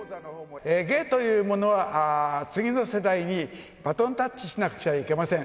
芸というものは、次の世代にバトンタッチしなくちゃいけません。